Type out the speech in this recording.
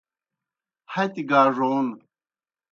ہتیْ گاڙون